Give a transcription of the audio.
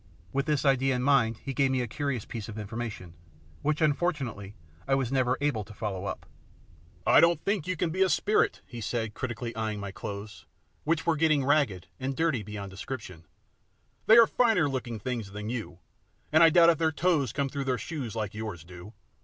With this idea in his mind he gave me a curious piece of information, which, unfortunately, I was never able to follow up. "I don't think you can be a spirit," he said, critically eyeing my clothes, which were now getting ragged and dirty beyond description. "They are finer looking things than you, and I doubt if their toes come through their shoes like yours do.